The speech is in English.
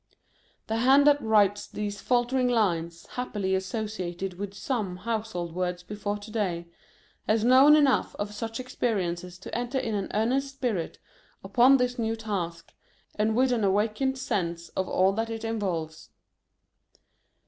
The hand that writes these faltering lines, happily associated with some Household Words before to day, has known enough of such experiences to enter in an earnest spirit upon this new task, and with an awakened sense of all that it involves.